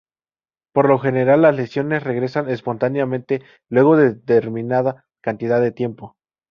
Por lo general las lesiones regresan espontáneamente luego de determinada cantidad de tiempo.